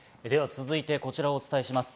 続いて、こちらをお伝えします。